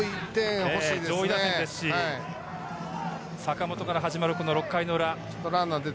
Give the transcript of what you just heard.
上位打線ですし、坂本から始まる、この６回裏。